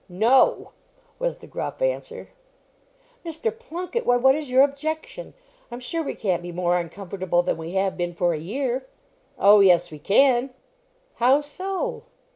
"No!" was the gruff answer. "Mr. Plunket! Why, what is your objection? I'm sure we can't be more uncomfortable than we have been for a year." "Oh, yes, we can." "How so?"